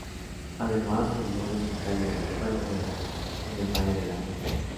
Además, fundó el Hospital de Fuenfría, en el valle de la Fuenfría.